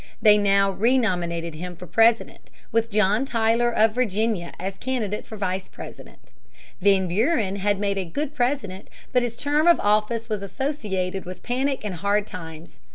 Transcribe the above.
They now renominated him for President, with John Tyler of Virginia as candidate for Vice President. Van Buren had made a good President, but his term of office was associated with panic and hard times.